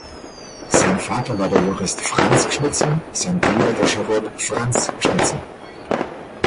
Sein Vater war der Jurist Franz Gschnitzer, sein Bruder der Chirurg Franz Gschnitzer.